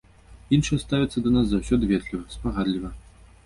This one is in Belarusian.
Іншыя ставяцца да нас заўсёды ветліва, спагадліва.